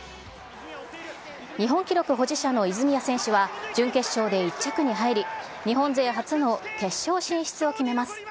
日本記録保持者の泉谷選手は準決勝で１着に入り、日本勢初の決勝進出を決めます。